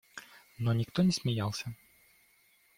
Но никто не смеялся.